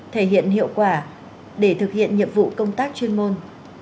thể hiện hiệu quả để thực hiện nhiệm vụ công tác chuyên môn